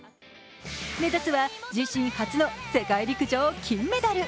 目指すは自身初の世界陸上金メダル。